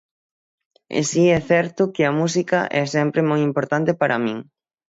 E si é certo que a música é sempre moi importante para min.